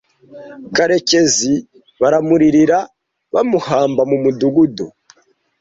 Karekezi baramuririra bamuhamba mu mudugudu